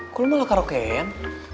gue mau lelakar roken